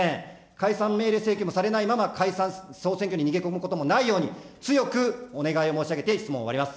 解散命令請求もされないまま、解散・総選挙に逃げ込むことのないように、強くお願いを申し上げて質問を終わります。